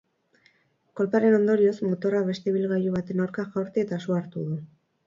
Kolpearen ondorioz, motorra beste ibilgailu baten aurka jaurti eta su hartu du.